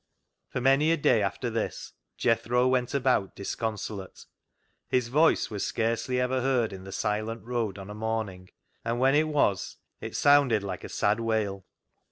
For many a day after this Jethro went about disconsolate. His voice was scarcely ever heard in the silent road on a morning, and when it was it sounded like a sad wail.